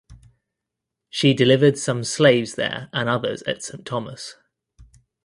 She delivered some slaves there and others at St Thomas.